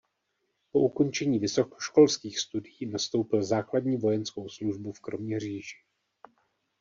Po ukončení vysokoškolských studií nastoupil základní vojenskou službu v Kroměříži.